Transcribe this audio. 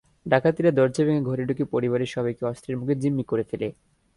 ডাকাতেরা দরজা ভেঙে ঘরে ঢুকে পরিবারের সবাইকে অস্ত্রের মুখে জিম্মি করে ফেলে।